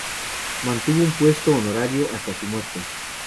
Mantuvo un puesto honorario hasta su muerte.